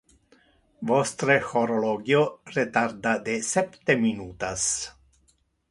Vostre horologio retarda de septe minutas.